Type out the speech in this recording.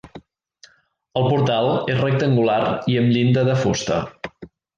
El portal és rectangular i amb llinda de fusta.